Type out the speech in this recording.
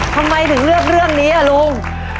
ทำไมถึงเลือกเรื่องนี้อ่ะลุง